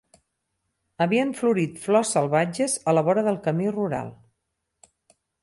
Havien florit flors salvatges a la vora del camí rural